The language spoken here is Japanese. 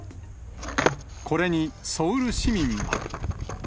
これにソウル市民は。